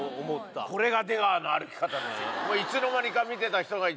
これが「出川の歩き方」ですよ。